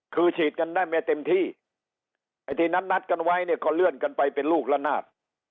คือฉีดกันได้ไม่เต็มที่ไอ้ที่นัดนัดกันไว้เนี่ยก็เลื่อนกันไปเป็นลูกละนาด